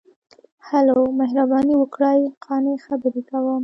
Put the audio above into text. ـ هلو، مهرباني وکړئ، قانع خبرې کوم.